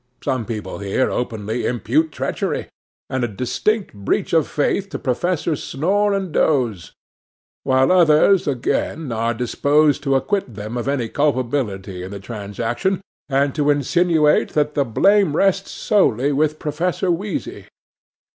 Some people here openly impute treachery, and a distinct breach of faith to Professors Snore and Doze; while others, again, are disposed to acquit them of any culpability in the transaction, and to insinuate that the blame rests solely with Professor Wheezy.